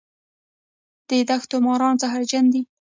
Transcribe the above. د دښتو ماران زهرجن دي